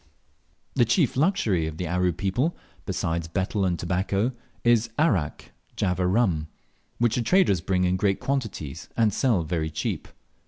The chief luxury of the Aru people, besides betel and tobacco, is arrack (Java rum), which the traders bring in great quantities and sell very cheap.